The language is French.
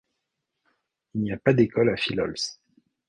Il n'y a pas d'école à Fillols.